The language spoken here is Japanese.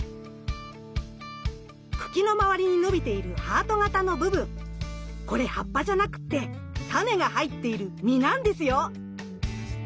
茎の周りに伸びているハート型の部分これ葉っぱじゃなくってタネが入っている実なんですよ。